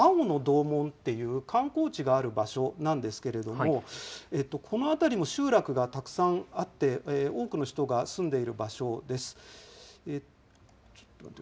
耶馬渓のあおのどうもんっていう、観光地がある場所なんですけれども、この辺りも集落がたくさんあって、多くの人が住んでいる場所です。